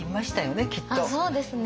そうですね。